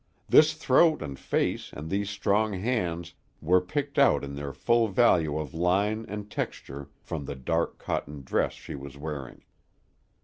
This throat and face and these strong hands were picked out in their full value of line and texture from the dark cotton dress she was wearing.